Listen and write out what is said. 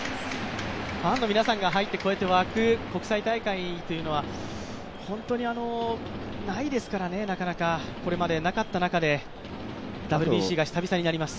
ファンの皆さんが入って、こうやって沸く国際大会というのは本当にないですからね、なかなかこれまでなかった中でＷＢＣが久々になります。